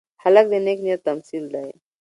هلک د نیک نیت تمثیل دی.